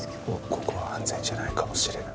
ここは安全じゃないかもしれない。